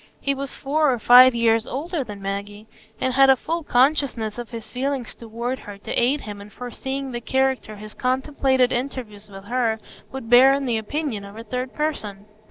He was four or five years older than Maggie, and had a full consciousness of his feeling toward her to aid him in foreseeing the character his contemplated interviews with her would bear in the opinion of a third person.